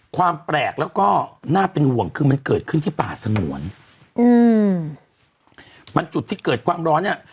ความแปลกแล้วก็น่าเป็นห่วงคือมันเกิดขึ้นที่ป่าสงวนอืมมันจุดที่เกิดความร้อนเนี้ย